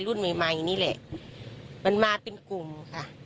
รุ่นใหม่ใหม่นี่แหละมันมาเป็นกลุ่มค่ะ